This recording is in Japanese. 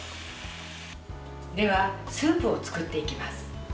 では、スープを作っていきます。